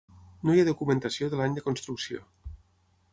No hi ha documentació de l'any de construcció.